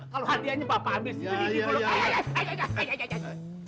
kalau hadiahnya bapak ambil sini